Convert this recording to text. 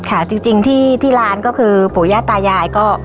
ค่ะจริงที่ร้านก็คือปู่ย่าตายายก็